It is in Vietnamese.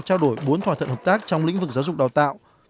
trao đổi bốn thỏa thuận hợp tác trong lĩnh vực giáo dục đào tạo